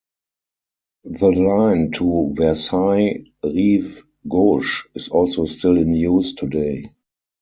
The line to Versailles-Rive-Gauche is also still in use today.